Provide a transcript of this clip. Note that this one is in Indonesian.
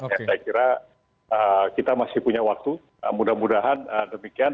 saya kira kita masih punya waktu mudah mudahan demikian